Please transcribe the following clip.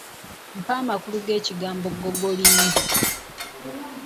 Mpa amakulu g'ekigambo googolimbo?